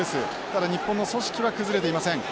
ただ日本の組織は崩れていません。